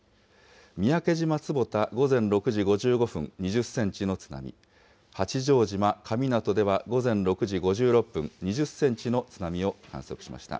三宅島坪田、午前６時５５分、２０センチの津波、八丈島神湊では午前６時５６分、２０センチの津波を観測しました。